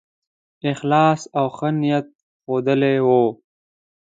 اخلاص او ښه نیت ښودلی وو.